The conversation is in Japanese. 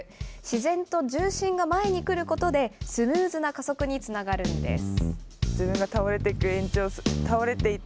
自然と重心が前に来ることで、スムーズな加速につながるんです。